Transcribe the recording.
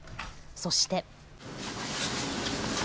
そして。